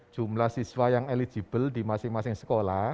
jumlah siswa yang eligible di masing masing sekolah